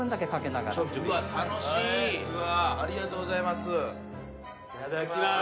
ありがとうございます。